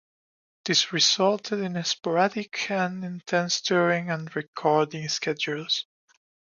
This resulted in sporadic and intense touring and recording schedules.